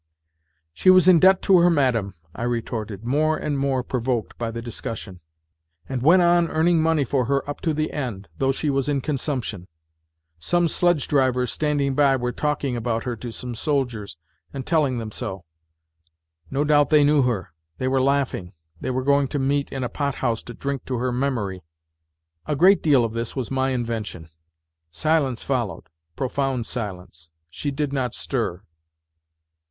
" She was in debt to her madam," I retorted, more and more provoked by the discussion ;" and went on earning money for her up to the end, though she was in consumption. Some sledge drivers standing by were talking about her to some soldiers and telling them so. No doubt they knew her. They were laughing. They were going to meet in a pot house to drink to her memory." A great deal of this was my invention. Silence followed, profound silence. She did not stir.